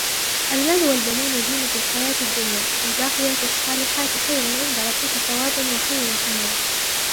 المال والبنون زينة الحياة الدنيا والباقيات الصالحات خير عند ربك ثوابا وخير أملا